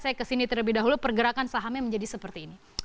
saya kesini terlebih dahulu pergerakan sahamnya menjadi seperti ini